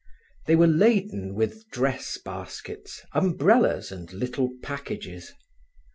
They were laden with dress baskets, umbrellas, and little packages.